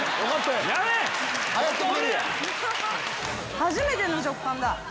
初めての食感だ。